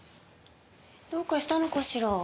どうかしたのかしら。